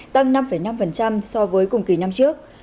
tăng năm năm so với cùng kỳ năm trước